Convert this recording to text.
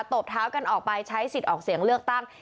ตบเท้ากันออกไปใช้สิทธิ์ออกเสียงเลือกตั้ง